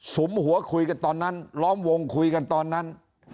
มหัวคุยกันตอนนั้นล้อมวงคุยกันตอนนั้น